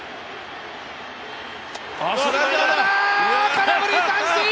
空振り三振！